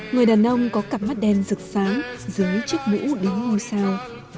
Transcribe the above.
người đàn ông có cặp mắt đen rực sáng dưới chiếc mũ đính hư sao